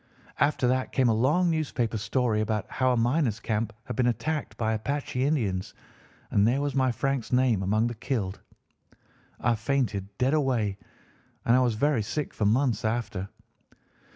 After that came a long newspaper story about how a miners' camp had been attacked by Apache Indians, and there was my Frank's name among the killed. I fainted dead away, and I was very sick for months after.